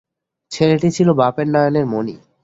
ছেলেটি ছিল বাপের নয়নের মণি।